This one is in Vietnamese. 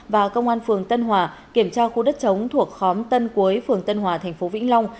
và công an phường tân hòa kiểm tra khu đất chống thuộc khóm tân quế phường tân hòa thành phố vĩnh long